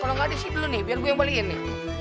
kalau gak ada isi dulu nih biar gue embaliin nih